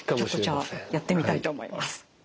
じゃあやってみたいと思います。